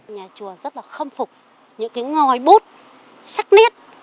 nhà chùa rất là khâm phục những cái ngòi bút sắc nét